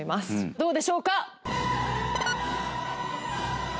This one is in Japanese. どうでしょうか？